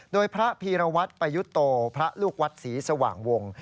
โดยพระพีรวัตรปยุโตพระลูกวัดศรีสว่างวง